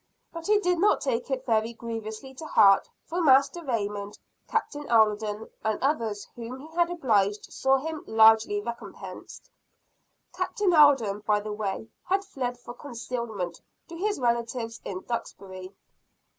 But he did not take it very grievously to heart for Master Raymond, Captain Alden and others whom he had obliged saw him largely recompensed. Captain Alden, by the way, had fled for concealment to his relatives in Duxbury.